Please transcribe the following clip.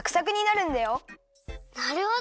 なるほど！